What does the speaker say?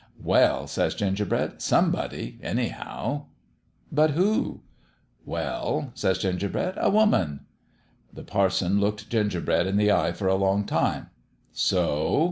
"' Well,' says Gingerbread, ' somebody, any how/ " But who ?'"' Well,' says Gingerbread, ' a woman/ " The parson looked Gingerbread in the eye for a long time. ' So